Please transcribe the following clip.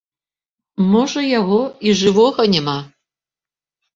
Можа яго і жывога няма.